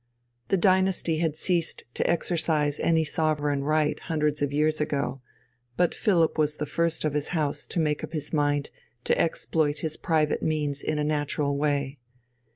The dynasty had ceased to exercise any sovereign right hundreds of years ago, but Philipp was the first of his house to make up his mind to exploit his private means in a natural way.